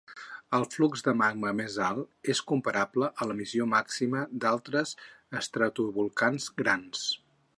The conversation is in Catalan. El flux de magma més alt és comparable a l"emissió màxima d"altres estratovolcans grans.